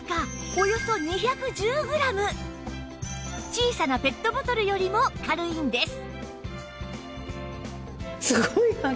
小さなペットボトルよりも軽いんです